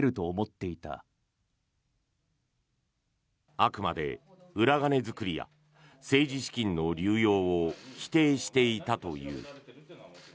あくまで裏金作りや政治資金の流用を否定していたという。